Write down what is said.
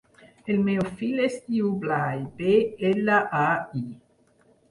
El meu fill es diu Blai: be, ela, a, i.